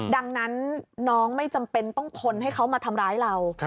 ดังนั้นน้องไม่จำเป็นต้องทนให้เขามาทำร้ายเรา